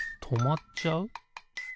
とまっちゃう？